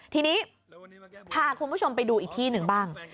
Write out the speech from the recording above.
ทีนี้พาคุณผู้ชมไปดูอีกที่หนึ่งบ้าง